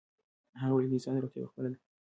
هغه وویل چې د انسان روغتیا په خپله ده.